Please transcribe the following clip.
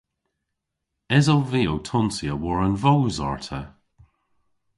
Esov vy ow tonsya war'n voos arta?